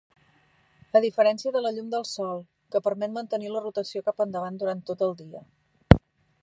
A diferència de la llum del sol, que permet mantenir la rotació cap endavant durant tot el dia.